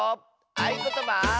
「あいことば」。